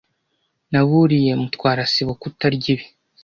Naburiye Mutwara sibo kutarya ibi.